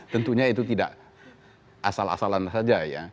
tentunya itu tidak asal asalan saja ya